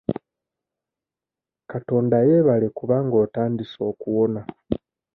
Katonda yeebale kubanga otandise okuwona.